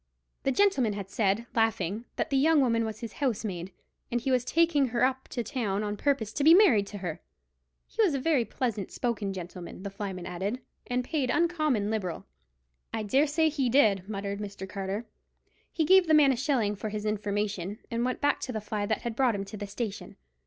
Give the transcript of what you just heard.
The gentleman had said, laughing, that the young woman was his housemaid, and he was taking her up to town on purpose to be married to her. He was a very pleasant spoken gentleman, the flyman added, and paid uncommon liberal. "I dare say he did," muttered Mr. Carter. He gave the man a shilling for his information, and went back to the fly that had brought him to the station.